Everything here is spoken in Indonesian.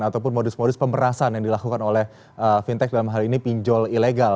ataupun modus modus pemerasan yang dilakukan oleh fintech dalam hal ini pinjol ilegal